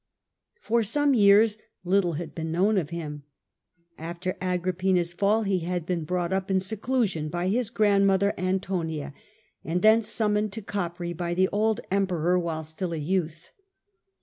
For some years little had been known of him. After Agrippina's fall he had been brought up in seclusion by his grandmother Antonia, and thence summoned to Capreae by the old Emperor while still a youth.